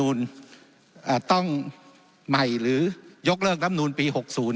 ว่าต้องไม่หรือยกเรื่องกรัฐมนูลปี๖๐